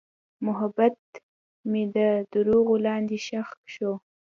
محبت مې د دروغو لاندې ښخ شو.